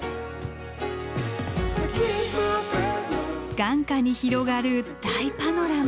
眼下に広がる大パノラマ。